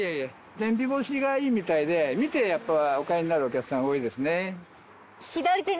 天日干しがいいみたいで見てお買いになるお客さんが多いですね。